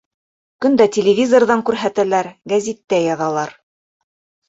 Көн дә телевизорҙан күрһәтәләр, гәзиттә яҙалар!